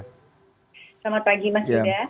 selamat pagi mas yuda